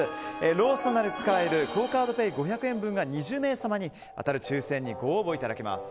ローソンなどで使えるクオ・カードペイ５００円分が２０名様に当たる抽選にご応募いただけます。